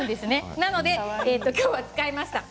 なので今日は使いました。